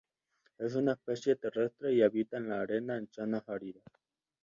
Es una especie terrestre y habita en la arena en zonas áridas.